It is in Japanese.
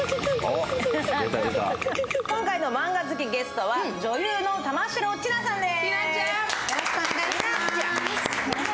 今回のマンガ好きゲストは女優の玉城ティナちゃんです。